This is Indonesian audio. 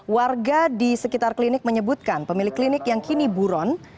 warga di sekitar klinik menyebutkan pemilik klinik yang kini buron